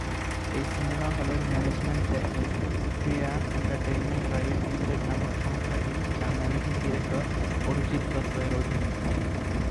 এই সিনেমা হলের ম্যানেজমেন্ট দেখে প্রিয়া এন্টারটেইনমেন্ট প্রাইভেট লিমিটেড নামক সংস্থাটি যা ম্যানেজিং ডিরেক্টর অরিজিৎ দত্ত-এর অধীনে।